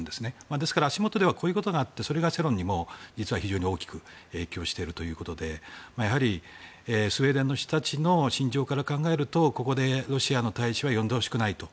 ですから、足元ではこういうことがあってそれが世論にも大きく影響しているということでスウェーデンの人たちの心情から考えるとここでロシアの大使は呼んでほしくないと。